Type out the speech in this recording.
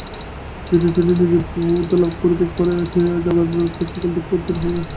যদি নিজের দেহের উপর প্রভুত্ব লাভ করিতে পার তো জগতের সকল দুঃখ দূর হইবে।